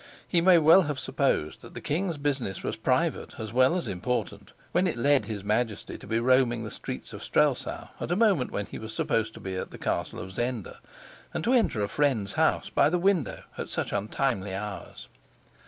He may well have supposed that the king's business was private as well as important when it led his Majesty to be roaming the streets of Strelsau at a moment when he was supposed to be at the Castle of Zenda, and to enter a friend's house by the window at such untimely hours.